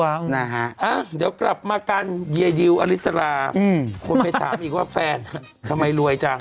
นะฮะเดี๋ยวกลับมากันเยดิวอลิสราอืมคนไปถามอีกว่าแฟนทำไมรวยจัง